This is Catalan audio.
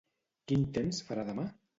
Quin temps farà demà?